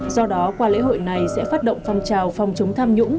do đó qua lễ hội này sẽ phát động phong trào phòng chống tham nhũng